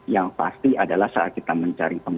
yang pasti adalah saat kita mencari